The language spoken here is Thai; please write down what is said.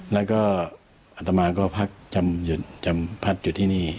แล้วก็อัตมาก็พักจำพักอยู่ที่นี่